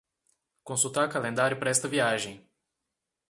Consultar calendário para esta viagem.